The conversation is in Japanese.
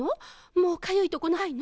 もうかゆいとこないの？